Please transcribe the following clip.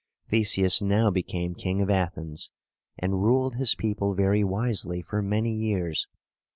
Theseus now became King of Athens, and ruled his people very wisely for many years.